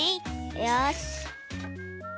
よし！